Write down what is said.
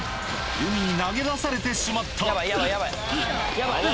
海に投げ出されてしまった！